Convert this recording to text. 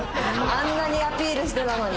あんなにアピールしてたのに。